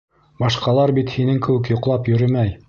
Башҡалар бит һинең кеүек йоҡлап йөрөмәй.